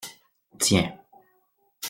Tiens.